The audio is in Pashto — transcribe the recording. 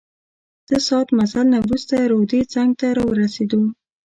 څه ساعت مزل نه وروسته روضې څنګ ته راورسیدو.